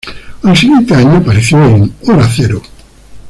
Al siguiente año apareció en Hora Cero.